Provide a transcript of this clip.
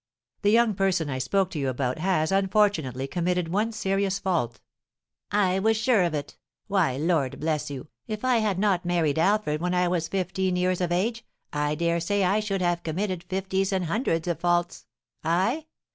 "The young person I spoke to you about has, unfortunately, committed one serious fault." "I was sure of it! Why, Lord bless you, if I had not married Alfred when I was fifteen years of age, I dare say I should have committed, fifties and hundreds of faults! I?